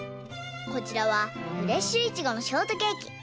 こちらはフレッシュイチゴのショートケーキ。